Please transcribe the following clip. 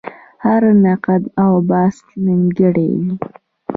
هر نقد او بحث نیمګړی وي.